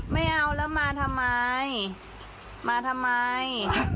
ไม่เอาแล้วมาทำไมมาทำไม